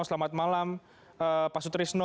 selamat malam pak sutrisno